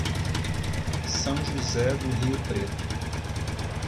São José do Rio Preto